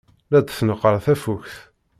La d-tneqqer tafukt.